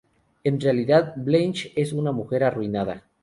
En realidad, Blanche es una mujer arruinada.